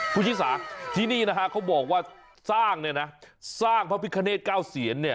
ภูชิสาที่นี่นะฮะเค้าบอกว่าสร้างสร้างมะกร่าวไฟขะเนสก้าวเซียน